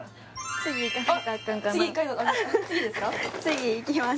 次いきます